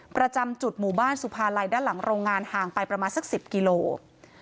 ประจำจุดหมู่บ้านสุภาลัยด้านหลังโรงงานห่างไปประมาณสัก๑๐กิโลกรัม